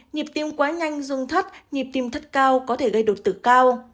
nhịp tim quá nhanh dung thắt nhịp tim thắt cao có thể gây đột tử cao